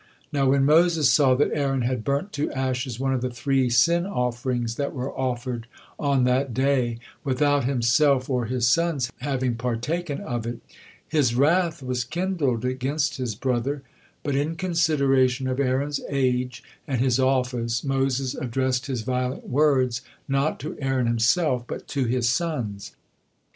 Now when Moses saw that Aaron had burnt to ashes one of the three sin offerings that were offered on that day, without himself or his sons having partaken of it, his wrath was kindled against his brother, but in consideration of Aaron's age and his office Moses addressed his violent words not to Aaron himself, but to his sons.